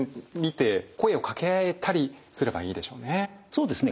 そうですね。